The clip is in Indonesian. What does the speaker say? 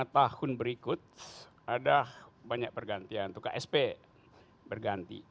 lima tahun berikut ada banyak pergantian untuk ksp berganti